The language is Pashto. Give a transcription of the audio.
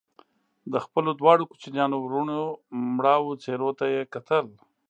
د خپلو دواړو کوچنيانو وروڼو مړاوو څېرو ته يې کتل